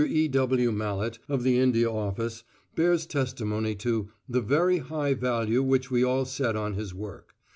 E. W. Mallet, of the India Office, bears testimony to "the very high value which we all set on his work.